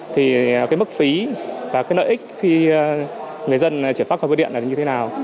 thì cái mức phí và cái nợ ích khi người dân chuyển phát xe bưu điện là như thế nào